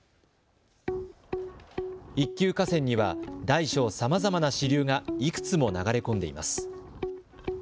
一級河川には大小さまざまな支流がいくつも流れ込んでいます。